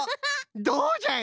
どうじゃい！